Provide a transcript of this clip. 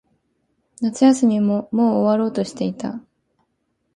夏休みももう終わろうとしていた。